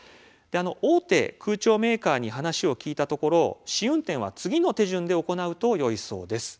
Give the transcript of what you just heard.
大手空調メーカーに話を聞いたところ試運転は次の手順で行うとよいそうです。